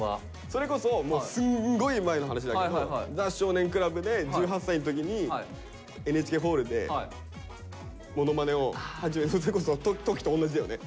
それこそもうすんごい前の話だけど「ザ少年倶楽部」で１８歳の時にＮＨＫホールでものまねを始めた時と同じだよね。